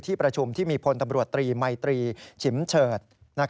ที่ประชุมที่มีพตเตรีย์ไมาตรีฉิมเฉิด